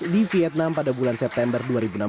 di vietnam pada bulan september dua ribu enam belas